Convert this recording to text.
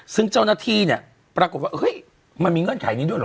ซึ่งเจ้าหน้าที่เนี่ยปรากฏว่าเฮ้ยมันมีเงื่อนไขนี้ด้วยเหรอ